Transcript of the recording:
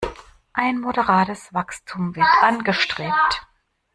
Ein moderates Wachstum wird angestrebt.